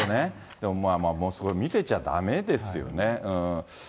でももうそこ、見せちゃだめですよね。